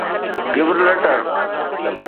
Gibraltar